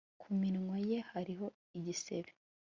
Ku minwa ye hariho igisebe